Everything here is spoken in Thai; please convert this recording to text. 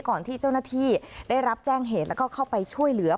ที่เจ้าหน้าที่ได้รับแจ้งเหตุแล้วก็เข้าไปช่วยเหลือ